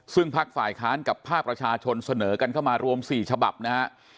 ซึ่งพักฝ่ายค้านกับภาคประชาชนเสนอกันเข้ามารวม๔ฉบับนะฮะ